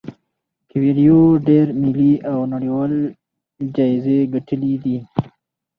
کویلیو ډیر ملي او نړیوال جایزې ګټلي دي.